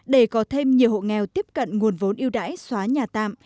để có thêm nhiều hộ nghèo tiếp cận nguồn vốn ưu đãi xóa nhà tạm